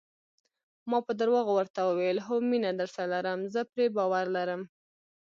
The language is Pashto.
ما په درواغو ورته وویل: هو، مینه درسره لرم، زه پرې باور لرم.